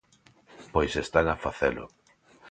Pois están a facelo.